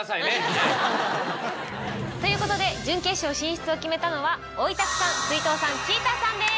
ということで準決勝進出を決めたのはおいたくさんすいとんさんちーたーさんです。